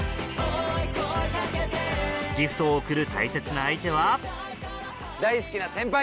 ギフトを贈る大切な相手は大好きな先輩。